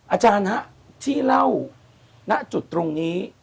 อาจารย์ฮะที่เล่าณจุดตรงนี้